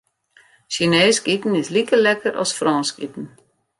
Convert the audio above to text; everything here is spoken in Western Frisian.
Sjineesk iten is like lekker as Frânsk iten.